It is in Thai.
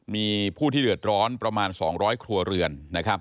มีผู้ที่เดือดร้อนประมาณ๒๐๐ครัวเรือนนะครับ